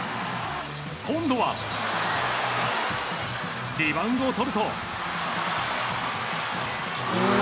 今度は、リバウンドをとると。